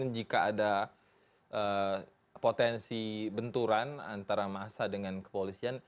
jika ada potensi benturan antara masa dengan kepolisian